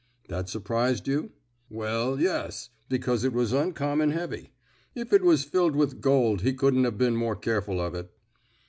"That surprised you?" "Well, yes, because it was uncommon heavy. If it was filled with gold he couldn't have been more careful of it."